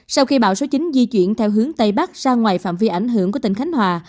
sau khi bão số chín di chuyển theo hướng tây bắc ra ngoài phạm vi ảnh hưởng của tỉnh khánh hòa